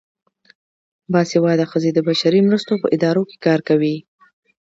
باسواده ښځې د بشري مرستو په ادارو کې کار کوي.